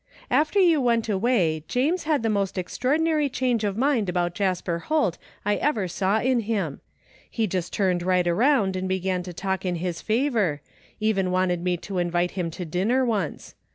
After you went away James had the most ex traordinary change of mind about Jasper Holt I ever saw in him. He just turned right arotmd and began to talk in his favor, even wanted me to invite him to dinner once.